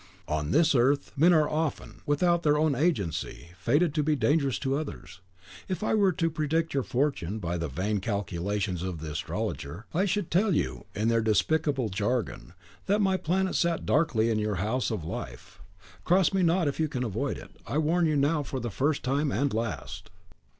"On this earth, men are often, without their own agency, fated to be dangerous to others. If I were to predict your fortune by the vain calculations of the astrologer, I should tell you, in their despicable jargon, that my planet sat darkly in your house of life. Cross me not, if you can avoid it. I warn you now for the first time and last."